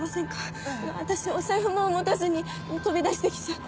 私お財布も持たずに飛び出してきちゃって。